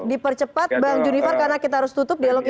dipercepat bang junifar karena kita harus tutup dialog kita